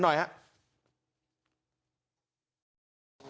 ก็จับกันหน่อยครับ